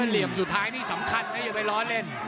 เหลี่ยมสุดท้ายนี่สำคัญนะอย่าไปล้อเล่น